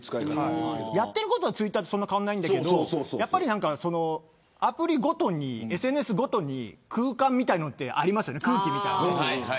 やってることはツイッターとそんなに変わらないんだけどアプリごとに、ＳＮＳごとに空気みたいなものありますよね。